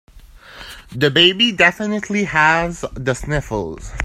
The baby definitely has the sniffles.